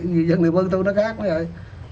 như dân địa phương tôi nó khác nói vậy